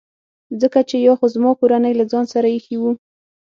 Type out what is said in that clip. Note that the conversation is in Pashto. ځکه چي یا خو زما کورنۍ له ځان سره ایښي وو.